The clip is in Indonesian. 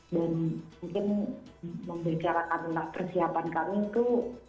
dan mungkin membicarakan tentang persiapan kami itu